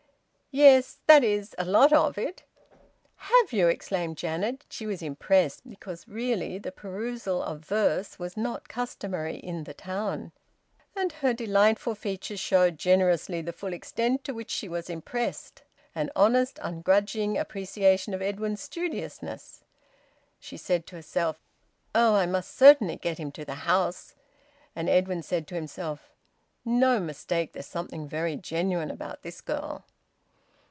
"Yes that is, a lot of it." "Have you?" exclaimed Janet. She was impressed, because really the perusal of verse was not customary in the town. And her delightful features showed generously the full extent to which she was impressed: an honest, ungrudging appreciation of Edwin's studiousness. She said to herself: "Oh! I must certainly get him to the house." And Edwin said to himself, "No mistake, there's something very genuine about this girl."